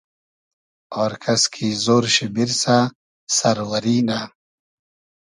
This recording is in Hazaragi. آر کئس کی زۉر شی بیرسۂ سئروئری نۂ